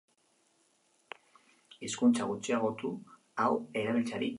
Hizkuntza gutxiagotu hau erabiltzeari utziko diot.